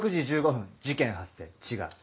１６時１５分事件発生違う。